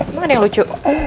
emang ada yang lucu